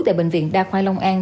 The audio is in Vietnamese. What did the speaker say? tại bệnh viện đa khoai long an